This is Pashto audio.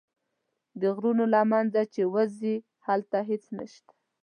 د غرونو له منځه چې ووځې هلته هېڅ نه شته.